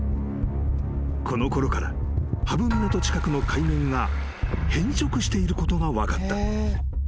［このころから波浮港近くの海面が変色していることが分かった］